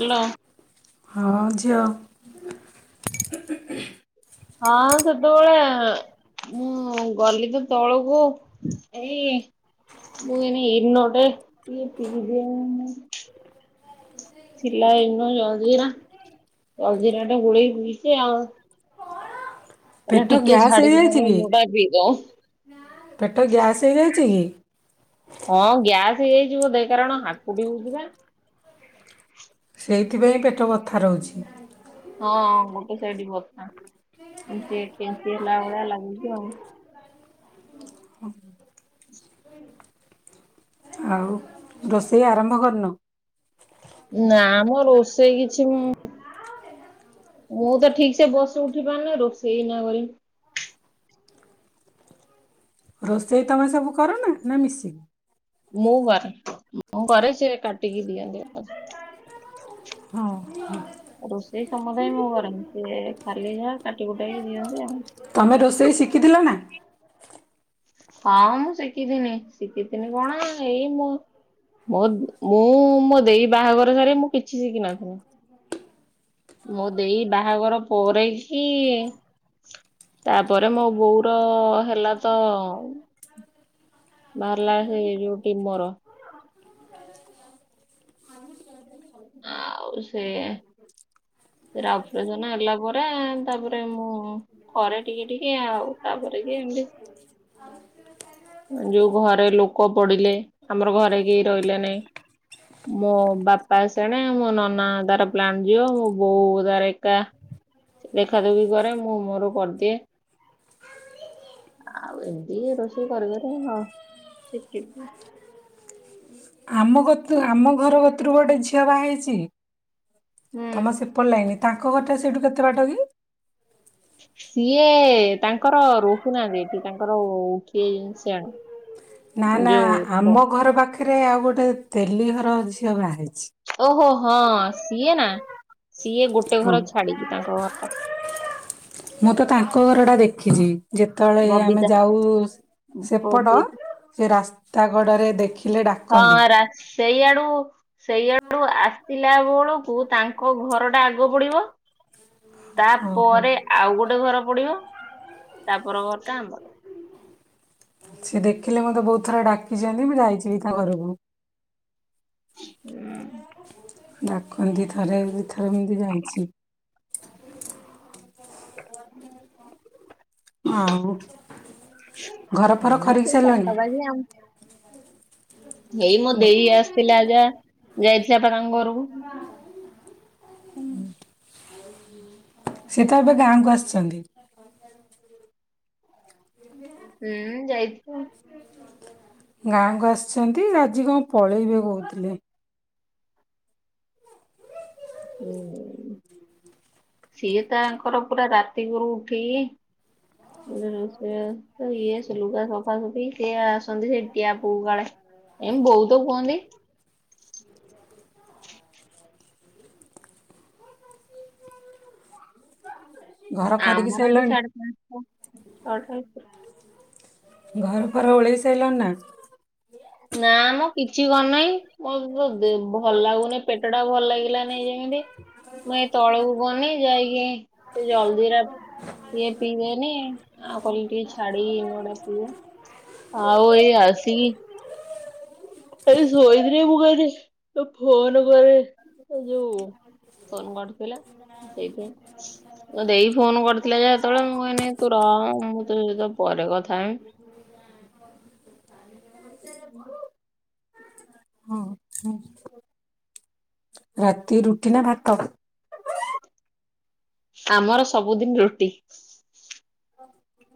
Hello ହଁ ଝିଅ। [inaudible] ହଁ ସେତେବେଳେ ମୁଁ ଗଲି ତ ତଳକୁ ଏଇ ମୁଁ ଏବେ ଇନୋଟେଏ ପିଇ ଦିଏ ଥିଲା ଇନୋ ଜଲଜିରା ଜଲଜିରାଟେ ଗୋଳେଇ ପିଇଛି ଆଉ। ଏ ପେଟ ଟିକେ ଗ୍ୟାସ୍ ଝାଡ଼ିକି ହେଇଯାଇଛି ନହେଲେ କି ଲୁଡା ପିଇବ। ପେଟ ଗ୍ୟାସ୍ ହେଇଯାଇଛି କି? ହଁ [inaudible] ହଁ ଗ୍ୟାସ ହେଇଯାଇଚି ବୋଧେ କାରଣ ହାକୁଟି ହଉଚିବା। ସେଇଥିପାଇଁ ପେଟ ବଥା ରହୁଛି। ହଁ ଗୋଟେ ସାଇଡ ବଥାଯେ କେଞ୍ଚି ହେଲା ଭଳିଆ ଲାଗୁଛି ଆଉ। ହ। ଆଉ ରୋଷେଇ ଆରମ୍ଭ କରିନ? ନା ଆମ ରୋଷେଇ କିଛି ମୁଁ ମୁଁ ତ ଠିକ ସେ ବସି ଉଠି ପାରୁନି ରୋଷେଇ ଏଇନା କରିିବି। ରୋଷେଇ ତମେ ସବୁ କର ନା ନା ମିଶିକି? ମୁଁ ବାର। ମୁଁ କରେ ସେ କାଟିକି ଦିଅନ୍ତି। ହ [inaudible] ରୋଷେଇ ସମୁଦାୟ ମୁଁ କରେନି ସେ ଖାଲି ଯା ତମେ ରୋଷେଇ ଶିଖିଥିଲ ନା? ହଁ ମୁଁ ଶିଖିଥିନି ଶିଖିଥିନି କଣ ଏଇ ମୋ ମୁଁ ମୋ ଦେଇ ବାହାଘର ସାରି ମୁଁ କିଛି ଶିଖିିନଥିଲି। ମୁଁ ଦେଇ ବାହାଘର ପରେକି ତାପରେ ମୋ ବୋଉର ହେଲା ତ ବାହାରିଲା ହେଇ ଯଉ ଯୋଉଠି ଟିମର। ଆଉ ସେ ସେରା ଅପରେସନ ହେଲା ପରେ ତାପରେ ମୁଁ ଘରେ ଟିକେ ଟିକେ ଆଉ ତାପରେ କି ଏମତି ଯୋଉ ଘରେ ଲୋକ ପଡିଲେ ଆମର ଘରେ କେହି ରହିଲେ ନାଇଁ ମୋ ବାପ୍ ସେଣେ ମୋ ନନା ତାର ପ୍ଲାଣ୍ଟ ଯିବ ମୋ ବୋଉ ତାର ଏକା ଦେଖାଦେଖି କରେ ମୁଁ ମୋର କରିଦିଏ ଆଉ ଏମତି ରୋଷେଇ କରକରି ଶିଖିଲି। ଆମ କତି ଆମ ଘର କତିରୁ ଗୋଟେ ଝିଅ ବା ହେଇଛି। ହୁଁ ତମ ସେପଲ ଲାଇନ। ତାଙ୍କ ଘରଟା ସେଇଠୁ କେତେ ବାଟ କି? ସିଏ ତାଙ୍କର ରହୁନାହାନ୍ତି ଏଠି ତାଙ୍କର କିଏ ଜିନିଷଣୁ ନା ନା ଆମ ଘର ପାଖରେ ରେ ଆଉ ଗୋଟେ ତେଲି ଘର ଝିଅ ବାହଇଛି। ଓହୋ। ହଁ ସିଏ ନା ସିଏ ଗୋଟେ ହଁ ଘର ଛାଡିକି ତାଙ୍କ ଘର ଟା। ଦେଖିଲି। ଯେତେବେଳେ ଆମେ ଯାଉ ସେପଟ ବବି ସେ ରାସ୍ତା କଡରେ ଦେଖି ଥିଲେ ଡାକନ୍ତି। ହଁ ରା ସେଇଆଡୁ ସେଇଆଡୁ ଆସିଲାବେଳକୁ ତାଙ୍କ୍ କଉ ଘରଟା ଆଗ ପଡିବ? ଓହୋ ତାପରେ ଆଉ ଗୋଟେ ଘର ପଡିବ। ତାପର ଘରଟା ଆମର। ସେ ଦେଖିଲେ ମତେ ବହୁତ ଥର ଡାକିଛନ୍ତି ମୁଁ ଯାଇଛିି ବି ତା ଘରକୁ। ହୁଁ ଡାକନ୍ତି ଥରେ ଦି ଥରେ ଏମିତି ଯାଇଛି। ଆଉ ଘରଫର ହୁଁ ଖରିକି ସେଇ ସାରିଲଣି? ପାଖାପାଖି ଆଉ ଏଇ ମୋ ଦେଇ ଆସିଥିଲା ଯା ଯାଇଥିଲା ତା ତାଙ୍କ ଘରକୁ। ସେ ତ ଏବେ ଗାଁକୁ ଆସିଛନ୍ତି। ହୁଁଉଉ ଯାଇଥିବ। ଗାଁଆକୁ ଆସିଛନ୍ତି ଆଜି କଣ ପଳେଇବେ କହୁଥିଲେ। ହୁଁଉଉ ସିଏ ତାଙ୍କର ପୁରା ରାତିକରୁ ଉଠିକି ରୋଷେଇବାସ ଇଏ ଲୁଗା ସଫାସୁଫି ସିଏ ଆସନ୍ତି ସେଠି ଟ୍ୟାପକୁ କାଳେ ଏ ବୋଉ ତ କୁହନ୍ତି। ଘର ଖରିକି ଆମର ଏଠି ସାରିଲଣି ସାଢେ ପାଞ୍ଚଟା ଛଅଟା ଭିତରେ। ଘରଫର ଓଳେଇ ସାଇଲଣି ନା? ନା ମ କିଛି କରିନାଇ [inaudible] [inaudible] ଭଲ ଲାଗୁନି ପେଟଟ ଟା ଭଲ ଲାଗିଲା। [inaudible] ମୁଁ ଏଇ ତଳକୁ ଅନେଇଛି ଯାଇକି ସେ ଜଲଜିରା ଇଏ ପିଇବେନି ଆଉ କଲି ଟିକେ ଛାଡିି ମୁଁଏଡା ପିଇବ ଆଉ ଏଇ ଆସିକି ଏଇ ଶୋଇଥିଲି ମୁଁ କହିଲି ଟିକେ ଫୋନ୍ କରେ ଯୋଉ ଫୋନ୍ କରିଥିଲା ସେଇଥିପାଇଁ ଦେଈ ଫୋନ୍ କରିଥିଲା ଯେ ସେତେବେଳେ ମୁଁ କଇନି ତୁ ରହ ମୁଁ ତୋ ସହିତ ପରେ କଥା ହେମି। ହଁ। ରାତି ରୁଟି ନା ଭାତ? ଆମର ସବୁଦିନ ରୁଟି।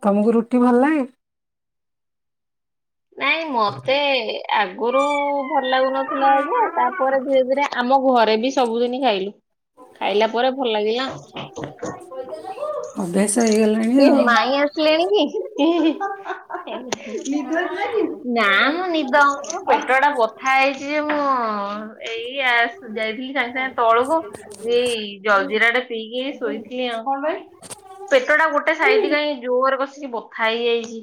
ତମକୁ ରୁଟି ଭଲ ଲାଗେ? ନାଇଁ ମତେ ଆଗରୁ ଭଲ ଲାଗୁନଥିଲା ଯେ ତା ପରେ ଧୀରେ ଧୀରେ ଆମ ଘରେ ବି ସବୁଦିନି ଖାଇଲୁ। ଖାଇଲା ପରେ ଭଲ ଲାଗିଲା ଆଉ। ଅଭ୍ୟାସ। କିଏ ହେଇଗଲାଣି ମାଈଁ ଆସିଲେଣି କି ନିଦ ହେଇଥିଲାକି ନା ମୁଁ ନିଦ ଆଉ। ପେଟ ଟା ବଥା ହେଇଛି ଯେ ମୁଁ ଏଇ ଯାଇଥିଲି ସାଙ୍ଗେ ସାଙ୍ଗେ ତଳକୁ ଏଇ ଜଲଜିିରାଟେ ପିଇକି ଶୋଇଥିଲି ଆ କଣ ପାଇଁ ପେଟ ଟା ଗୋଟେ ଗୋଟେ ସାଇଡ଼ି କାହିଁ ଜୋର କଷିକି ବଥା ହେଇଯାଇଛି।